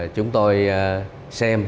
chúng tôi xem